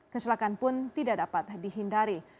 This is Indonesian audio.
kecelakaan pun tidak dapat dihindari